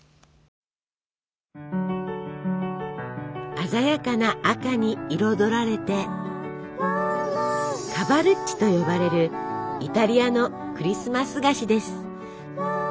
鮮やかな赤に彩られて「カバルッチ」と呼ばれるイタリアのクリスマス菓子です。